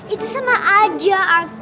itu sama aduh